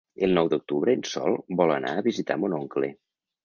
El nou d'octubre en Sol vol anar a visitar mon oncle.